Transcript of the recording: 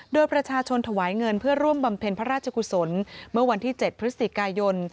โดยประชาชนถวายเงินเพื่อร่วมบำเพ็ญพระราชกุศลเมื่อวันที่๗พฤศจิกายน